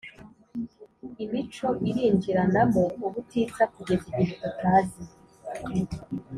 Imico irinjiranamo ubutitsa kugeza igihe tutazi